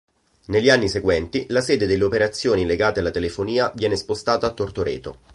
Negli anni seguenti la sede delle operazioni legate alla telefonia viene spostata a Tortoreto.